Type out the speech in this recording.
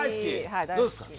どうですか？